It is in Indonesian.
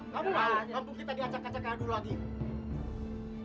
kampung kita diacak acakan dulu adik